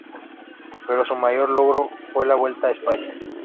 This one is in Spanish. Pero su mayor logro fue la Vuelta a España.